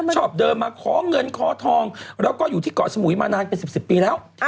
ชอบเดินมาขอเงินขอทองแล้วก็อยู่ที่เกาะสมุยมานานเป็น๑๐ปีแล้ว